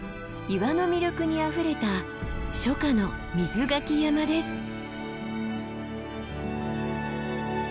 岩の魅力にあふれた初夏の瑞牆山です。